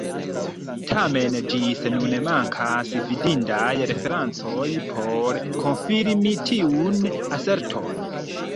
Tamen ĝis nun mankas fidindaj referencoj por konfirmi tiun aserton.